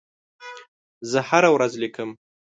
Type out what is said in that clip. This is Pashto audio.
زه هره ورځ لیکم.